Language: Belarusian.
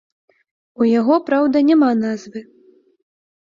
У яго, праўда, няма назвы.